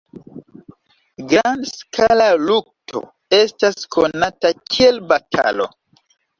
Grand-skala lukto estas konata kiel batalo.